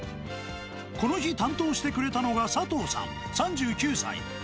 この日、担当してくれたのが佐藤さん３９歳。